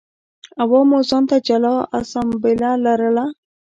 عوامو ځان ته جلا اسامبله لرله